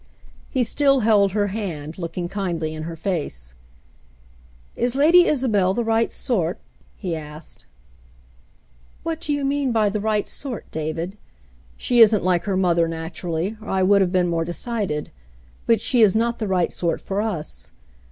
He still held her hand, looking kindly in her face. " Is Lady Isabel the right sort ?" he asked. " What do you mean by ' the right sort,' David ? She isn't like her mother, naturally, or I would have been more decided ; but she is not the right sort for us.